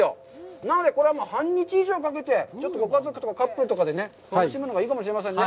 なので、これ、半日以上かけてちょっとご家族とかカップルとかで楽しむのがいいかもしれませんね。